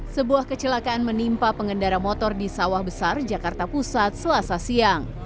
sebuah kecelakaan menimpa pengendara motor di sawah besar jakarta pusat selasa siang